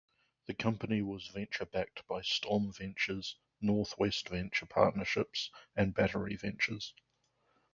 The company was venture backed by Storm Ventures, Norwest Venture Partners and Battery Ventures.